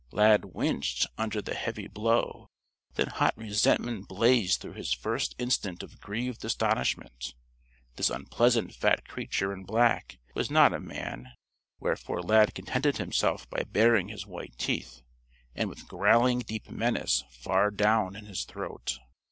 Lad winched under the heavy blow, then hot resentment blazed through his first instant of grieved astonishment. This unpleasant fat creature in black was not a man, wherefore Lad contented himself by baring his white teeth, and with growling deep menace far down in his throat.